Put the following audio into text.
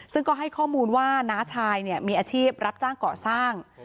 ซึ่งก็ให้ข้อมูลว่าน้าชายมีอาชีพรับจ้างก่อสร้าง